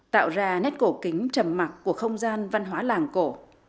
tạo ra nét cổ kính trầm mặc của không gian văn hóa làng cổ